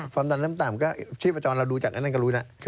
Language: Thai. ฟังตัวเริ่มตามก็ชีพประจอนเราดูจัดอันนั้นก็รู้แล้ว